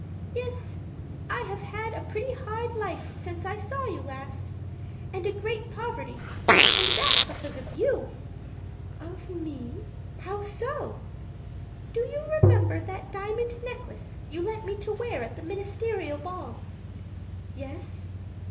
â âYes, I have had a pretty hard life, since I last saw you, and great poverty and that because of you!â âOf me! How so?â âDo you remember that diamond necklace you lent me to wear at the ministerial ball?â âYes.